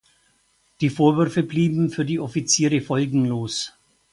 Die Vorwürfe blieben für die Offiziere folgenlos.